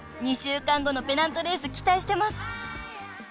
［２週間後のペナントレース期待してます］